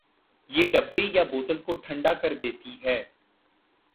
یہ ڈبے یا بوتل کو ٹھنڈا کردیتی ہے۔